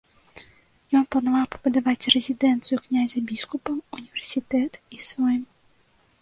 Ён планаваў пабудаваць рэзідэнцыю князя-біскупа, універсітэт і сойм.